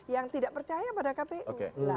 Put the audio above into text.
yang tidak percaya pada kpu